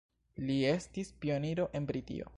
Li estis pioniro en Britio.